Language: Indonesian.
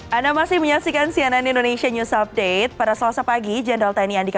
hai anda masih menyaksikan cnn indonesia news update pada selasa pagi jenderal tni andika